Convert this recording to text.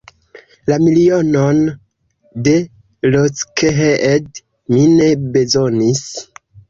La milionon de Lockheed mi ne bezonis.